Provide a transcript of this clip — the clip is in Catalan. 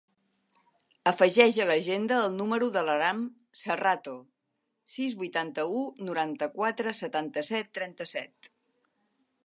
Afegeix a l'agenda el número de l'Aram Serrato: sis, vuitanta-u, noranta-quatre, setanta-set, trenta-set.